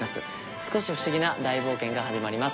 少し不思議な大冒険が始まります。